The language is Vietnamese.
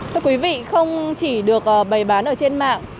thưa quý vị không chỉ được bày bán ở trên mạng